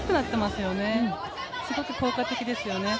すごく効果的ですよね。